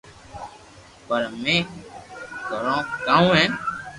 پر اپي ڪرو ڪاو ھين